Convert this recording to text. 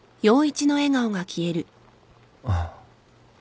あっ。